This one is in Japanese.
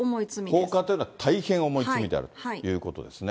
放火っていうのは大変重い罪であるということですね。